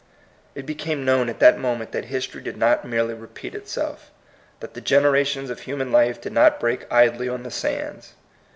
It became known at that moment that history did not merely repeat itself, that the generations of human life did not break idly on the sands.